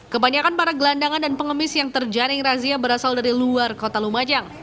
kebanyakan para gelandangan dan pengemis yang terjaring razia berasal dari luar kota lumajang